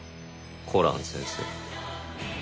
コラン先生。